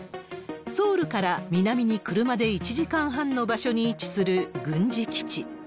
ソウルから南に車で１時間半の場所に位置する軍事基地。